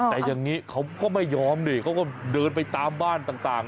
แต่อย่างนี้เขาก็ไม่ยอมนี่เขาก็เดินไปตามบ้านต่าง